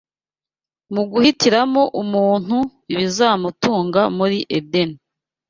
Mu guhitiramo umuntu ibizamutunga muri Edeni